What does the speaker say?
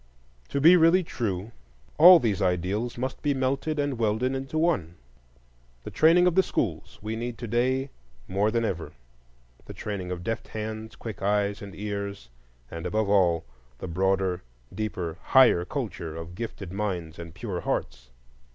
To be really true, all these ideals must be melted and welded into one. The training of the schools we need to day more than ever,—the training of deft hands, quick eyes and ears, and above all the broader, deeper, higher culture of gifted minds and pure hearts.